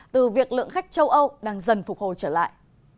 từ việc lượng khách châu âu đang dần phục hồi trở lại